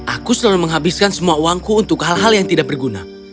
aku selalu menghabiskan semua uangku untuk hal hal yang tidak berguna